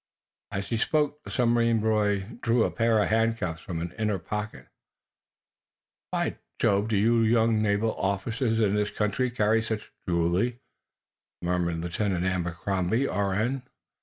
As he spoke, the submarine boy drew a pair of handcuffs from an inner pocket. "By Jove, do naval youngsters in this country carry such jewelry?" murmured Lieutenant Abercrombie, R.N.